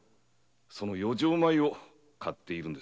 その余剰米を買っているのです。